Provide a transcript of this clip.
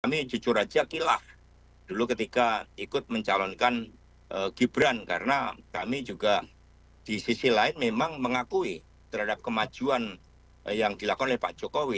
kami jujur aja kilah dulu ketika ikut mencalonkan gibran karena kami juga di sisi lain memang mengakui terhadap kemajuan yang dilakukan oleh pak jokowi